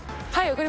はい。